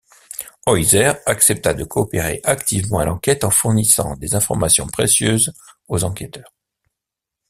Hoyzer accepta de coopérer activement à l'enquête en fournissant des informations précieuses aux enquêteurs.